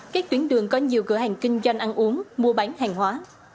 các tuyến đường có nhiều cửa hàng kinh doanh ăn uống mua bán hàng hóa